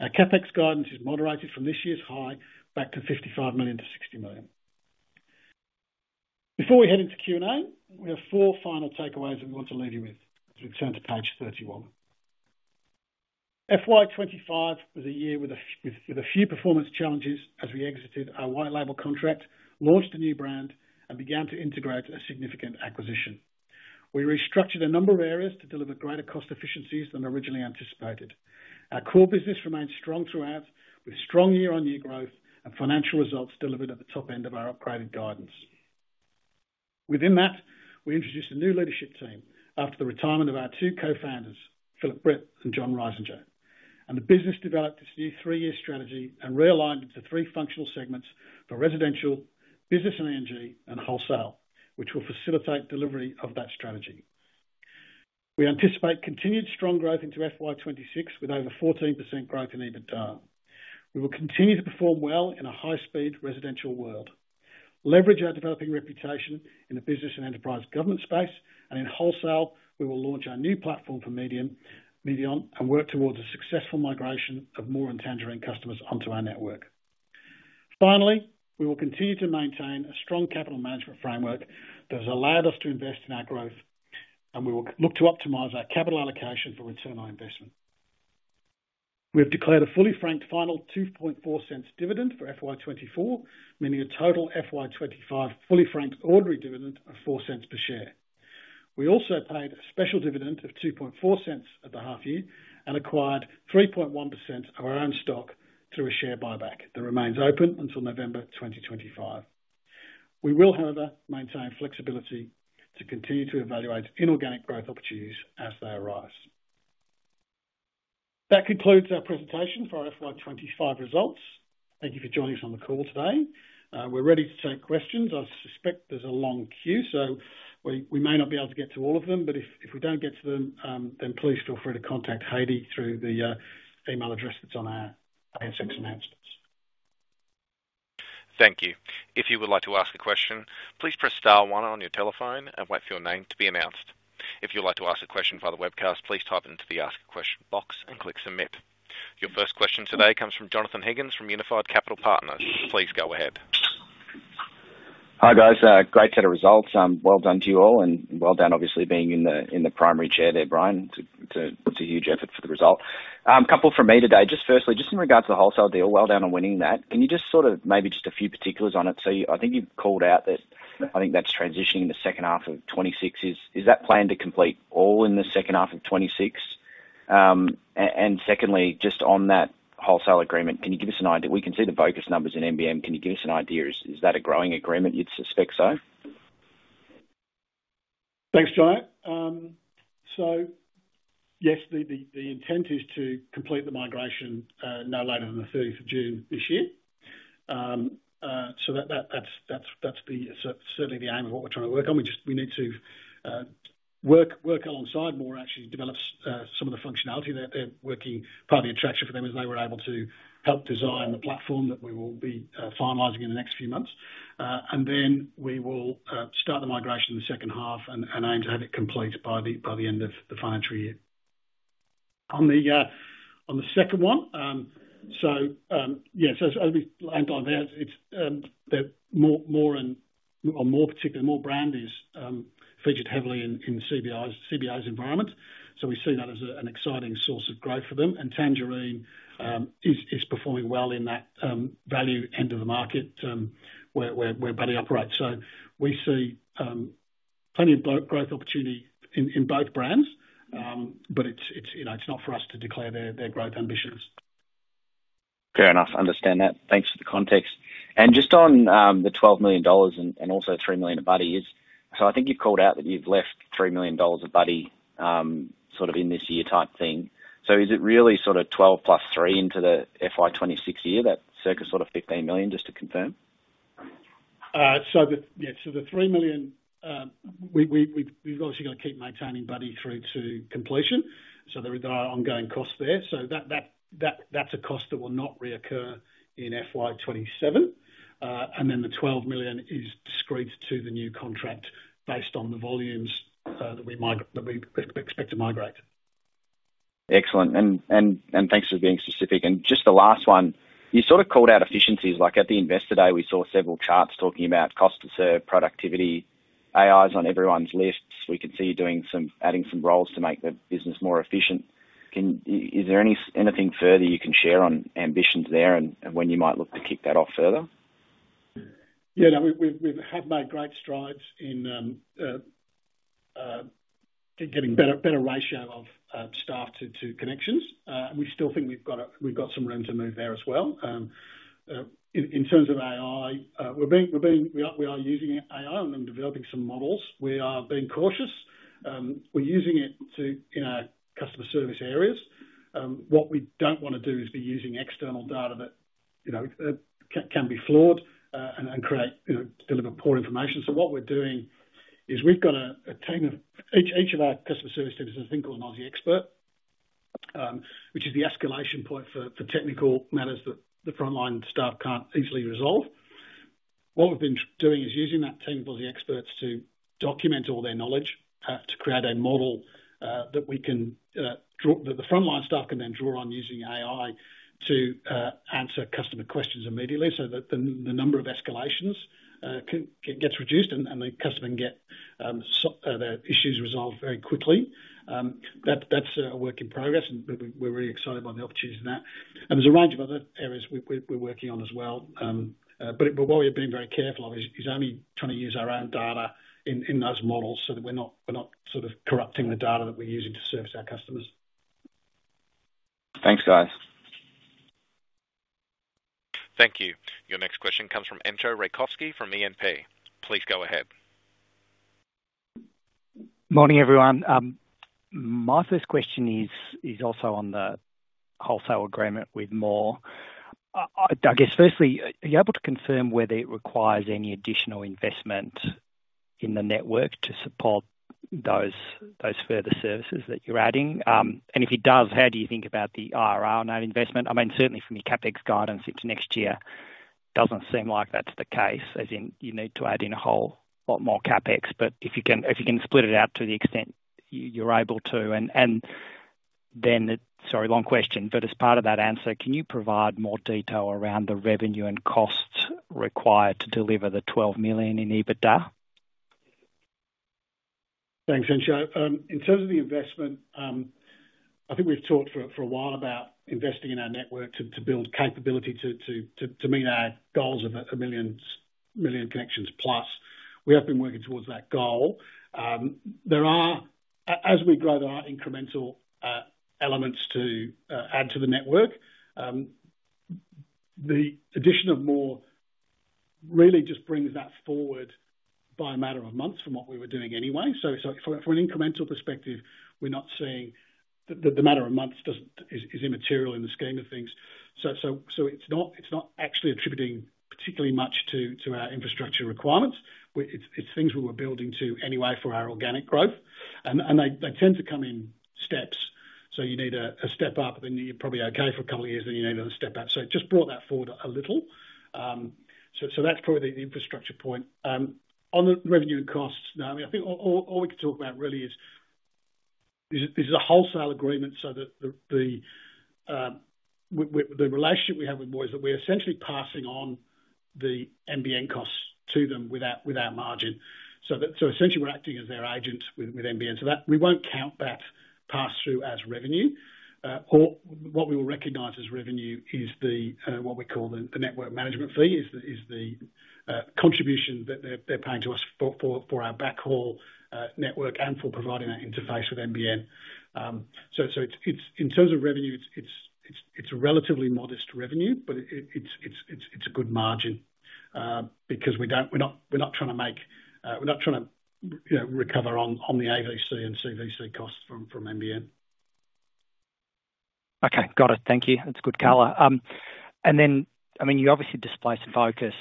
Our CapEx guidance is moderated from this year's high back to $55 million-$60 million. Before we head into Q&A, we have four final takeaways that we want to leave you with. We'll turn to page 31. FY 2025 was a year with a few performance challenges as we exited our white label contract, launched a new brand, and began to integrate a significant acquisition. We restructured a number of areas to deliver greater cost efficiencies than originally anticipated. Our core business remained strong throughout, with strong year-on-year growth and financial results delivered at the top end of our upgraded guidance. Within that, we introduced a new leadership team after the retirement of our two co-founders, Phillip Britt and John Reisinger, and the business developed its new three-year strategy and realigned it to three functional segments for residential, business and A&G, and wholesale, which will facilitate delivery of that strategy. We anticipate continued strong growth into FY 2026 with over 14% growth in EBITDA. We will continue to perform well in a high-speed residential world, leverage our developing reputation in the business and enterprise government space, and in wholesale, we will launch our new platform for MEDION and work towards a successful migration of More and Tangerine customers onto our network. Finally, we will continue to maintain a strong capital management framework that has allowed us to invest in our growth, and we will look to optimize our capital allocation for return on investment. We have declared a fully franked final $0.024 dividend for FY 2024, meaning a total FY 2025 fully franked ordinary dividend of $0.04 per share. We also paid a special dividend of $0.024 at the half year and acquired 3.1% of our own stock through a share buyback that remains open until November 2025. We will, however, maintain flexibility to continue to evaluate inorganic growth opportunities as they arise. That concludes our presentation for our FY 2025 results. Thank you for joining us on the call today. We're ready to take questions. I suspect there's a long queue, so we may not be able to get to all of them, but if we don't get to them, then please feel free to contact Heidi through the email address that's on our ASX announcements. Thank you. If you would like to ask a question, please press star one on your telephone and wait for your name to be announced. If you'd like to ask a question via the webcast, please type into the ask question box and click submit. Your first question today comes from Jonathon Higgins from Unified Capital Partners. Please go ahead. Hi guys, great set of results. Well done to you all and well done, obviously, being in the primary chair there, Brian. It's a huge effort for the result. A couple for me today. Firstly, just in regards to the wholesale deal, well done on winning that. Can you maybe just a few particulars on it? I think you've called out that that's transitioning in the second half of 2026. Is that plan to complete all in the second half of 2026? Secondly, just on that wholesale agreement, can you give us an idea? We can see the bogus numbers in NBN. Can you give us an idea? Is that a growing agreement? You'd suspect so? Thanks, Jonathon. Yes, the intent is to complete the migration no later than June 30, 2024. That's certainly the aim of what we're trying to work on. We need to work alongside More, actually develop some of the functionality that they're working. Part of the attraction for them is they were able to help design the platform that we will be finalizing in the next few months. We will start the migration in the second half and aim to have it complete by the end of the financial year. On the second one, as we land on there, it's More and particularly More brand is featured heavily in CBI's environment. We see that as an exciting source of growth for them. Tangerine is performing well in that value end of the market where Buddy operates. We see plenty of growth opportunity in both brands, but it's not for us to declare their growth ambitions. Fair enough, understand that. Thanks for the context. Just on the $12 million and also $3 million of Buddy, I think you've called out that you've left $3 million of Buddy sort of in this year type thing. Is it really $12 million + $3 million into the FY 2026 year that circles sort of $15 million, just to confirm? The $3 million, we've obviously got to keep maintaining Buddy through to completion. There are ongoing costs there. That's a cost that will not reoccur in FY 2027. The $12 million is discrete to the new contract based on the volumes that we expect to migrate. Excellent. Thanks for being specific. Just the last one, you sort of called out efficiencies. At the Investor Day, we saw several charts talking about cost to serve, productivity, AI is on everyone's lists. We could see you doing some, adding some roles to make the business more efficient. Is there anything further you can share on ambitions there and when you might look to kick that off further? Yeah, we have made great strides in getting a better ratio of staff to connections. We still think we've got some room to move there as well. In terms of AI, we are using AI and developing some models. We are being cautious. We're using it in our customer service areas. What we don't want to do is be using external data that can be flawed and deliver poor information. What we're doing is we've got a team of, each of our customer service teams has a thing called an Aussie expert, which is the escalation point for technical matters that the frontline staff can't easily resolve. What we've been doing is using that team of Aussie experts to document all their knowledge to create a model that the frontline staff can then draw on using AI to answer customer questions immediately so that the number of escalations gets reduced and the customer can get their issues resolved very quickly. That's a work in progress and we're really excited by the opportunities in that. There's a range of other areas we're working on as well. What we're being very careful of is only trying to use our own data in those models so that we're not corrupting the data that we're using to service our customers. Thanks, guys. Thank you. Your next question comes from Entcho Raykovski from E&P. Please go ahead. Morning, everyone. My first question is also on the wholesale agreement with More. I guess firstly, are you able to confirm whether it requires any additional investment in the network to support those further services that you're adding? If it does, how do you think about the IRR on that investment? Certainly from your CapEx guidance, it's next year. It doesn't seem like that's the case, as in you need to add in a whole lot more CapEx. If you can split it out to the extent you're able to, as part of that answer, can you provide more detail around the revenue and costs required to deliver the $12 million in EBITDA? Thanks, Entcho. In terms of the investment, I think we've talked for a while about investing in our network to build capability to meet our goals of a million connections plus. We have been working towards that goal. As we grow, there are incremental elements to add to the network. The addition of more really just brings that forward by a matter of months from what we were doing anyway. From an incremental perspective, we're not seeing that the matter of months is immaterial in the scheme of things. It's not actually attributing particularly much to our infrastructure requirements. It's things we were building to anyway for our organic growth. They tend to come in steps. You need a step up, and then you're probably okay for a couple of years, then you need another step up. It just brought that forward a little. That's probably the infrastructure point. On the revenue and costs, all we could talk about really is this is a wholesale agreement. The relationship we have with More is that we're essentially passing on the NBN costs to them with our margin. Essentially, we're acting as their agent with NBN. We won't count that pass-through as revenue. What we will recognize as revenue is what we call the network management fee, which is the contribution that they're paying to us for our backhaul network and for providing that interface with NBN. In terms of revenue, it's a relatively modest revenue, but it's a good margin because we're not trying to make, we're not trying to recover on the AVC and CVC costs from NBN. Okay, got it. Thank you. That's a good color. I mean, you obviously displaced Vocus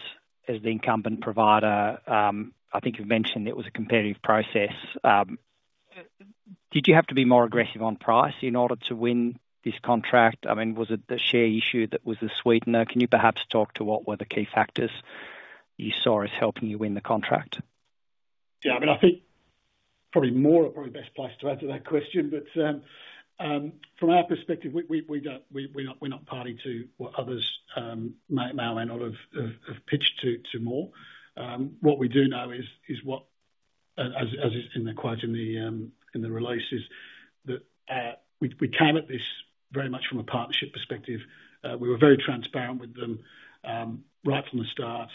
as the incumbent provider. I think you've mentioned it was a competitive process. Did you have to be more aggressive on price in order to win this contract? Was it the share issue that was the sweetener? Can you perhaps talk to what were the key factors you saw as helping you win the contract? Yeah, I mean, I think probably More are probably the best place to answer that question. From our perspective, we're not party to what others may or may not have pitched to More. What we do know is what, as is in the quote in the release, is that we came at this very much from a partnership perspective. We were very transparent with them right from the start.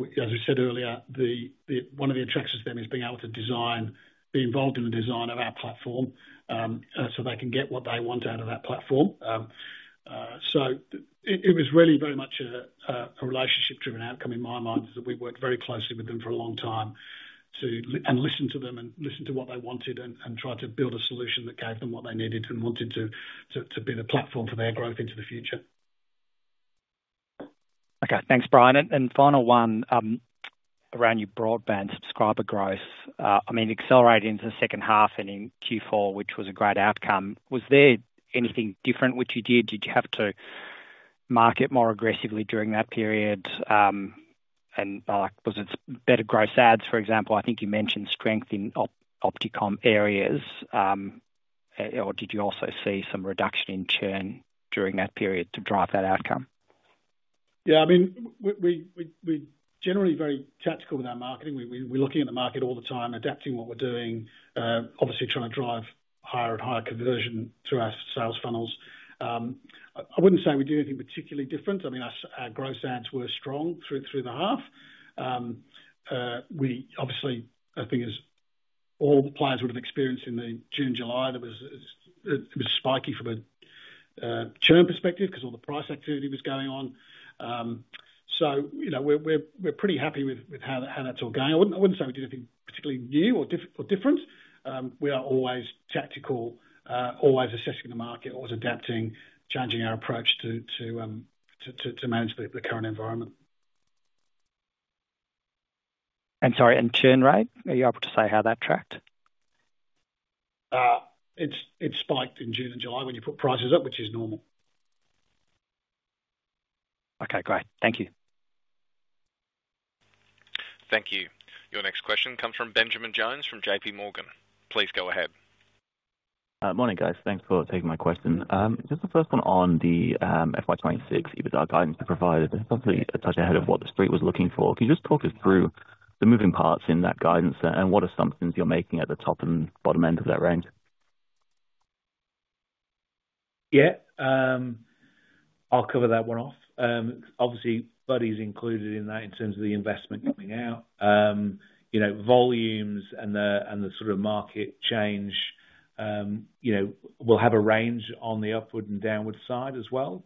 As we said earlier, one of the attractions to them is being able to design, be involved in the design of our platform so they can get what they want out of that platform. It was really very much a relationship-driven outcome in my mind, that we worked very closely with them for a long time and listened to them and listened to what they wanted and tried to build a solution that gave them what they needed and wanted to be the platform for their growth into the future. Okay, thanks, Brian. Final one around your broadband subscriber growth. I mean, accelerating into the second half and in Q4, which was a great outcome, was there anything different which you did? Did you have to market more aggressively during that period? Was it better gross ads, for example? I think you mentioned strength in Opticomm areas. Did you also see some reduction in churn during that period to drive that outcome? Yeah, I mean, we're generally very tactical with our marketing. We're looking at the market all the time, adapting what we're doing, obviously trying to drive higher and higher conversion through our sales funnels. I wouldn't say we did anything particularly different. I mean, our gross ads were strong through the half. We obviously, I think, as all players would have experienced in June-July, it was spiky from a churn perspective because all the price activity was going on. You know, we're pretty happy with how that's all going. I wouldn't say we did anything particularly new or different. We are always tactical, always assessing the market, always adapting, changing our approach to manage the current environment. Sorry, and churn, right? Are you able to say how that tracked? It spiked in June and July when you put prices up, which is normal. Okay, great. Thank you. Thank you. Your next question comes from Benjamin Jones from JPMorgan. Please go ahead. Morning guys, thanks for taking my question. Just the first one on the FY 2026 EBITDA guidance you provided, it's actually a touch ahead of what the street was looking for. Can you just talk us through the moving parts in that guidance and what assumptions you're making at the top and bottom end of that range? Yeah, I'll cover that one off. Obviously, Buddy's included in that in terms of the investment coming out. You know, volumes and the sort of market change will have a range on the upward and downward side as well.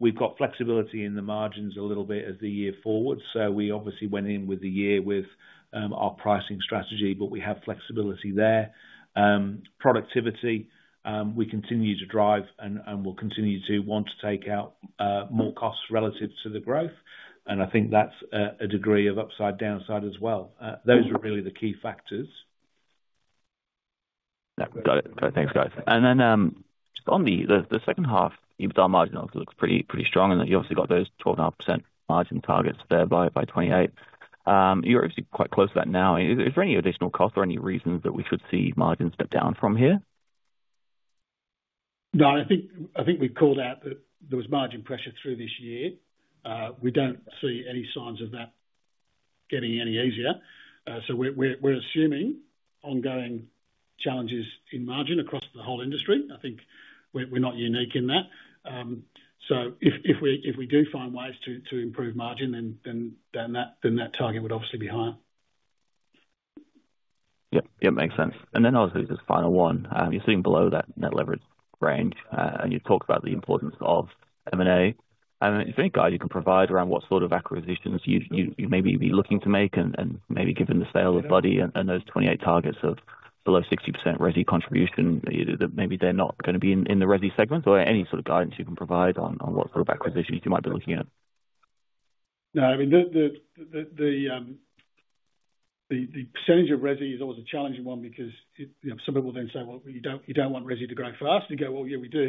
We've got flexibility in the margins a little bit as the year forwards. We obviously went in with the year with our pricing strategy, but we have flexibility there. Productivity, we continue to drive and we'll continue to want to take out more costs relative to the growth. I think that's a degree of upside downside as well. Those are really the key factors. Got it. Thanks, guys. On the second half, EBITDA margin also looks pretty strong, and you obviously got those 12.5% margin targets there by 2028. You're obviously quite close to that now. Is there any additional cost or any reasons that we could see margins step down from here? No, I think we called out that there was margin pressure through this year. We don't see any signs of that getting any easier. We're assuming ongoing challenges in margin across the whole industry. I think we're not unique in that. If we do find ways to improve margin, then that target would obviously be higher. Yep, yep, makes sense. Obviously, this final one, you're sitting below that net leverage range and you talked about the importance of M&A. Is there any guide you can provide around what sort of acquisitions you may be looking to make and maybe given the sale of Buddy and those 28 targets of below 60% RESI contribution, that maybe they're not going to be in the RESI segment or any sort of guidance you can provide on what sort of acquisitions you might be looking at? No, I mean, the [change] of RESI is always a challenging one because some people then say, you don't want RESI to grow fast. You go, yeah, we do.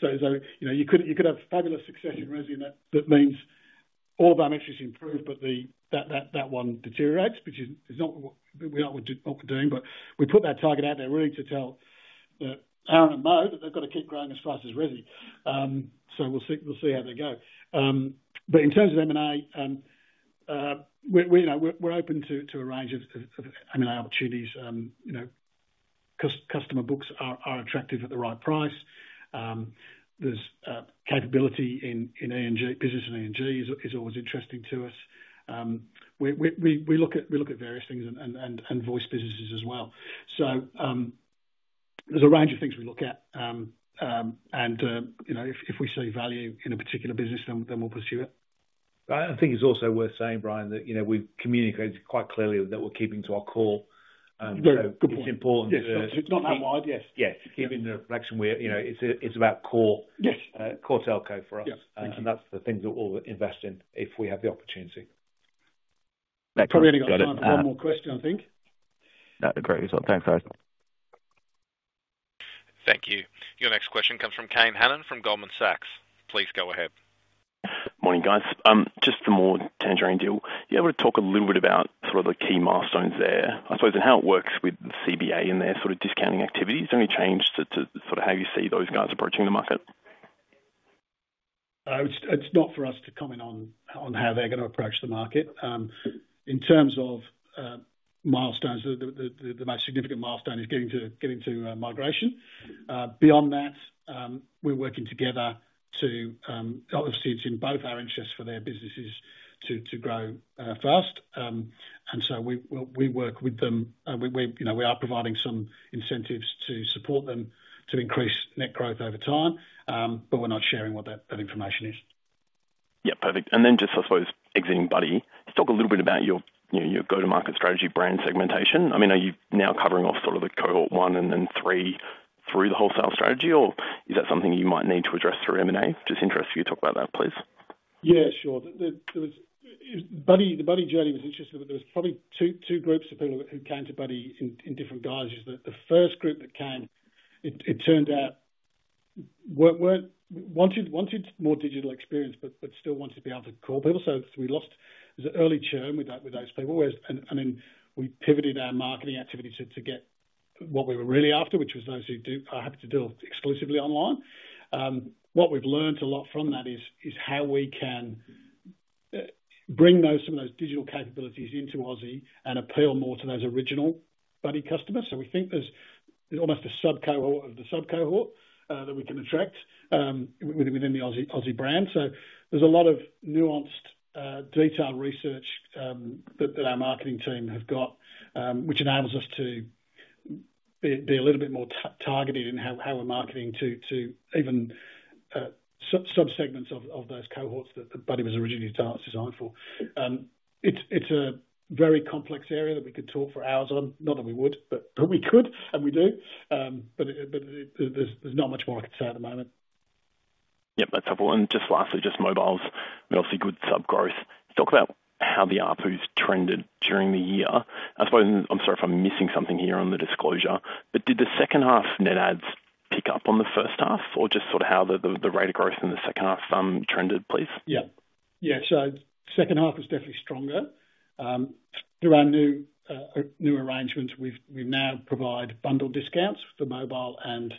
You could have fabulous success in RESI and that means all of our metrics improve, but that one deteriorates, which is not what we're doing. We put that target out there really to tell Aaron and Mo that they've got to keep growing as fast as RESI. We'll see how they go. In terms of M&A, we're open to a range of M&A opportunities. Customer books are attractive at the right price. There's capability in A&G. Position A&G is always interesting to us. We look at various things and voice businesses as well. There's a range of things we look at. If we see value in a particular business, then we'll pursue it. I think it's also worth saying, Brian, that we've communicated quite clearly that we're keeping to our core. Good point. It's important. Not that wide, yes. Yes, keeping the direction we're in, it's about core. Yes. Core Telco for us. Yes. Those are the things that we'll invest in if we have the opportunity. Probably only got time for one more question, I think. No, great result. Thanks, guys. Thank you. Your next question comes from Kane Hannan from Goldman Sachs. Please go ahead. Morning guys. Just for the More Tangerine deal, you're able to talk a little bit about sort of the key milestones there, I suppose, and how it works with CBA in their sort of discounting activities. Any change to sort of how you see those guys approaching the market? It's not for us to comment on how they're going to approach the market. In terms of milestones, the most significant milestone is getting to migration. Beyond that, we're working together. Obviously, it's in both our interests for their businesses to grow fast, and we work with them. We are providing some incentives to support them to increase net growth over time, but we're not sharing what that information is. Yeah, perfect. I suppose, exiting Buddy, let's talk a little bit about your go-to-market strategy, brand segmentation. I mean, are you now covering off sort of the cohort one and then three through the wholesale strategy, or is that something you might need to address through M&A? Just interested for you to talk about that, please. Yeah, sure. The Buddy journey was interesting, but there were probably two groups of people who came to Buddy in different guises. The first group that came, it turned out, wanted more digital experience, but still wanted to be able to call people. We lost early churn with those people. We pivoted our marketing activity to get what we were really after, which was those who are happy to deal exclusively online. What we've learned a lot from that is how we can bring some of those digital capabilities into Aussie and appeal more to those original Buddy customers. We think there's almost a sub-cohort of the sub-cohort that we can attract within the Aussie brand. There's a lot of nuanced, detailed research that our marketing team has got, which enables us to be a little bit more targeted in how we're marketing to even sub-segments of those cohorts that Buddy was originally designed for. It's a very complex area that we could talk for hours on. Not that we would, but we could, and we do. There's not much more I could say at the moment. Yep, that's helpful. Just lastly, just mobiles, we obviously had good sub-growth. Talk about how the ARPUs trended during the year. I suppose, I'm sorry if I'm missing something here on the disclosure, but did the second half net ads pick up on the first half or just sort of how the rate of growth in the second half trended, please? Yeah, the second half was definitely stronger. Through our new arrangements, we now provide bundle discounts for mobile and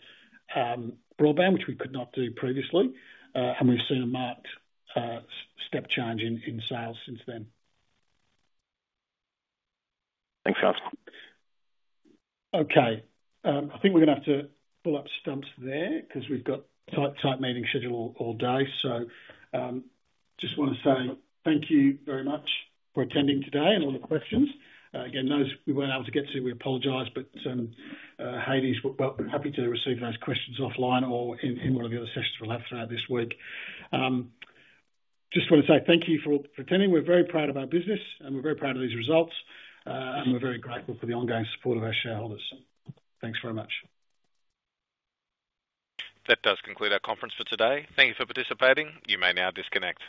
broadband, which we could not do previously. We've seen a marked step change in sales since then. Thanks, guys. Okay, I think we're going to have to pull up stumps there because we've got a tight meeting schedule all day. I just want to say thank you very much for attending today and all your questions. Those we weren't able to get to, we apologize, but Heidi is happy to receive those questions offline or in one of the other sessions we'll have this week. I just want to say thank you for attending. We're very proud of our business and we're very proud of these results. We're very grateful for the ongoing support of our shareholders. Thanks very much. That does conclude our conference for today. Thank you for participating. You may now disconnect.